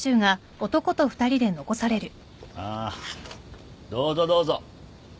まあどうぞどうぞ。